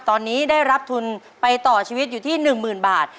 ตอนนี้ได้รับทุนไปต่อชีวิตอยู่ที่๑๐๐๐บาท